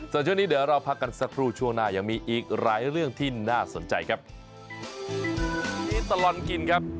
สมุทรสงครามครับ